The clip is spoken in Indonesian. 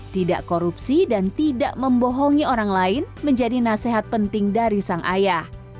tidak korupsi dan tidak membohongi orang lain menjadi nasihat penting dari sang ayah